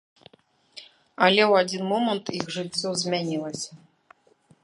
Але ў адзін момант іх жыццё змянілася.